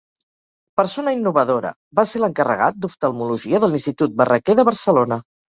Persona innovadora, va ser l'encarregat d'oftalmologia de l'Institut Barraquer de Barcelona.